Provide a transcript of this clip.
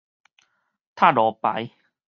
塔羅牌